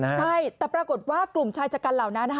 ใช่แต่ปรากฏว่ากลุ่มชายชะกันเหล่านั้น